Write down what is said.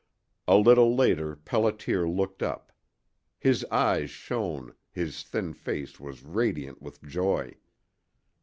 A little later Pelliter looked up. His eyes shone, his thin face was radiant with joy.